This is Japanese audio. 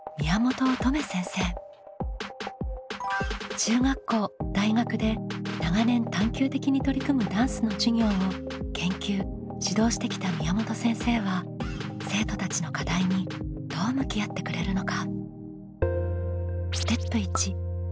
中学校大学で長年探究的に取り組むダンスの授業を研究指導してきた宮本先生は生徒たちの課題にどう向き合ってくれるのか。